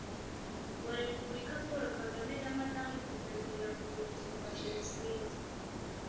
Wa repubulika paul kagame na madamu gitangirira ku rwibutso rwa jenoside